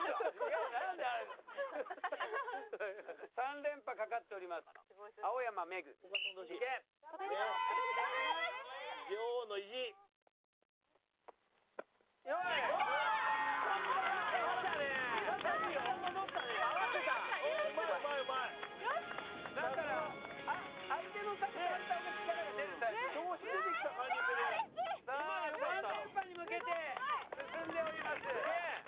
さあ３連覇に向けて進んでおります。